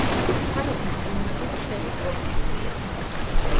ქალაქის კლიმატი ცხელი ტროპიკულია.